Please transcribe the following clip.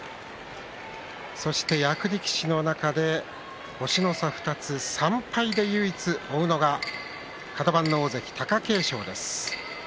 そして役力士の中で星の差２つ３敗で唯一、追うのがカド番の大関貴景勝です。